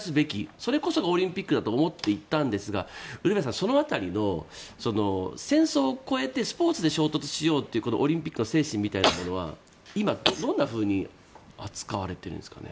それこそがオリンピックだと思っていたんですがウルヴェさん、その辺りの戦争を超えてスポーツで衝突しようというこのオリンピックの精神みたいなものは今、どんなふうに扱われているんですかね？